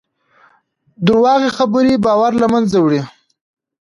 دروغې خبرې باور له منځه وړي.